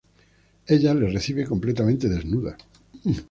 Ella les recibe completamente desnuda.